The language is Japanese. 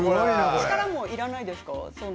力もいらないですか？